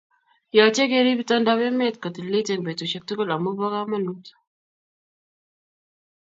Yochei kerib itondap emet ko tililit eng betusiek tugul amu bo kamanut